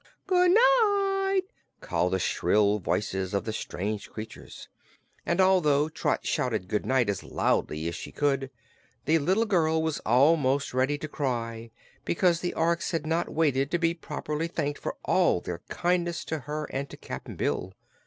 "Good night!" called the shrill voices of the strange creatures, and although Trot shouted "Good night!" as loudly as she could, the little girl was almost ready to cry because the Orks had not waited to be properly thanked for all their kindness to her and to Cap'n Bill.